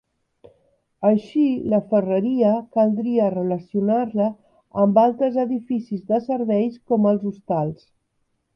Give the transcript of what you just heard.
Així la ferreria caldria relacionar-la amb altres edificis de serveis com els hostals.